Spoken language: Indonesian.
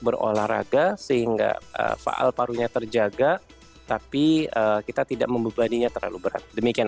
berolahraga sehingga faal parunya terjaga tapi kita tidak membebaninya terlalu berat demikian